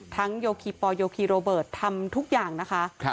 โยคีปอลโยคีโรเบิร์ตทำทุกอย่างนะคะ